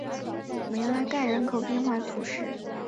梅拉盖人口变化图示